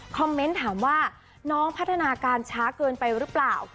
เมนต์ถามว่าน้องพัฒนาการช้าเกินไปหรือเปล่า